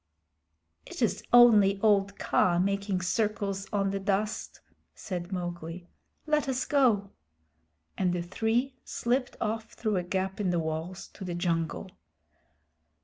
"It is only old Kaa making circles on the dust," said Mowgli. "Let us go." And the three slipped off through a gap in the walls to the jungle.